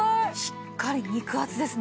しっかり肉厚ですね。